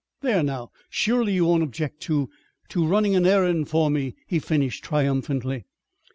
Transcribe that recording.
There, now surely you won't object to to running an errand for me!" he finished triumphantly.